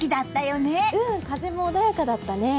うん、風も穏やかだったね。